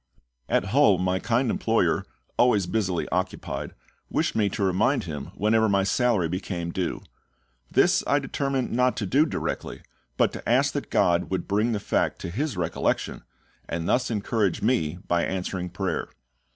At Hull my kind employer, always busily occupied, wished me to remind him whenever my salary became due. This I determined not to do directly, but to ask that GOD would bring the fact to his recollection, and thus encourage me by answering prayer.